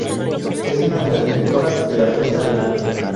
Es una de las directoras de la revista "Arenal.